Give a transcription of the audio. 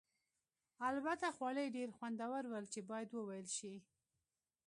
البته خواړه یې ډېر خوندور ول چې باید وویل شي.